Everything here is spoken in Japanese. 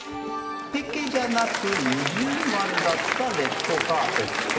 ペケじゃなく二重丸だったレッドカーペット。